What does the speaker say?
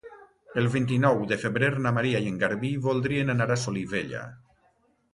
El vint-i-nou de febrer na Maria i en Garbí voldrien anar a Solivella.